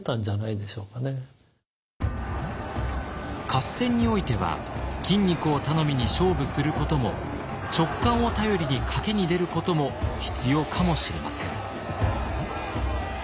合戦においては筋肉を頼みに勝負することも直感を頼りに賭けに出ることも必要かもしれません。